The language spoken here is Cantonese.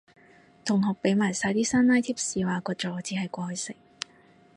同學講埋晒啲山埃貼士話個咗字係過去式